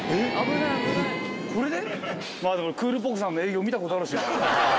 これで？